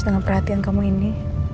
dengan perhatian kamu ini